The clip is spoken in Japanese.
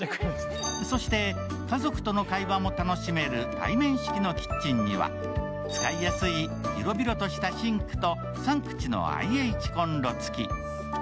そして家族との会話も楽しめる対面式のキッチンには、使いやすい広々としたシンクと３口のＩＨこんろ付き。